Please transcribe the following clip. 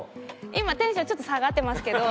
今テンションちょっと下がってますけど。